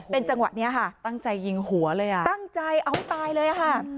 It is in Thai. เป็นจังหวะนี้ค่ะตั้งใจยิงหัวเลยอ่ะตั้งใจเอาให้ตายเลยค่ะ